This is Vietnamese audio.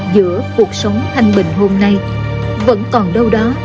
giữa cuộc sống thanh bình hôm nay vẫn còn đâu đó